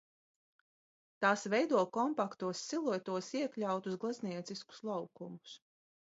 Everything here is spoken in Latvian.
Tās veido kompaktos siluetos iekļautus gleznieciskus laukumus.